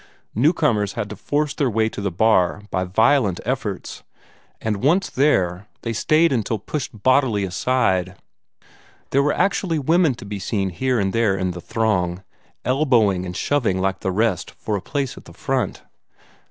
Newcomers had to force their way to the bar by violent efforts, and once there they stayed until pushed bodily aside. There were actually women to be seen here and there in the throng, elbowing and shoving like the rest for a place at the front.